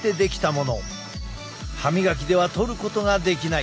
歯みがきでは取ることができない。